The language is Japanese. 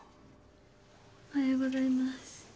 おはようございます。